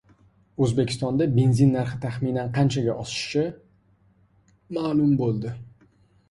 O‘zbekistonda benzin narxi taxminan qanchaga oshishi ma’lum bo‘ldi